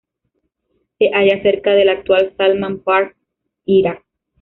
Se halla cerca de la actual Salman Pak, Irak.